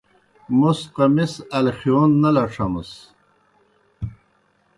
موْس قمِص الخِیون نہ لڇھمِس۔